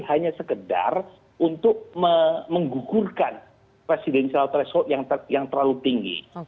hanya sekedar untuk menggugurkan presidensial threshold yang terlalu tinggi